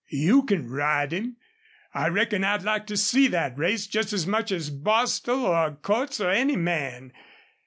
"You can ride him. I reckon I'd like to see that race just as much as Bostil or Cordts or any man....